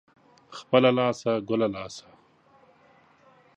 خپله لاسه ، گله لاسه.